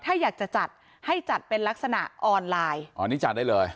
ถ้าอยากจะจัดให้จัดเป็นลักษณะออนไลน์อ๋อนี่จัดได้เลย